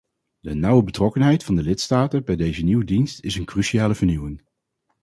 De nauwe betrokkenheid van de lidstaten bij deze nieuwe dienst is een cruciale vernieuwing.